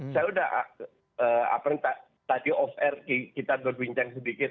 saya sudah tadi off air kita berbincang sedikit